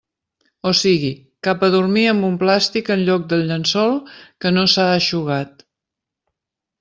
O sigui, cap a dormir amb un plàstic en lloc del llençol que no s'ha eixugat.